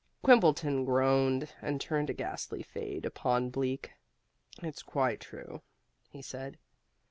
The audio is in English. Quimbleton groaned, and turned a ghastly fade upon Bleak. "It's quite true," he said.